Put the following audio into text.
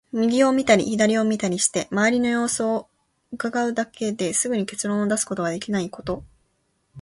右を見たり左を見たりして、周りの様子を窺うだけですぐに結論を出すことができないこと。